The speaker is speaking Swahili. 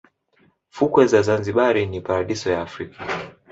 fukwe za zanzibar ni paradiso ya africa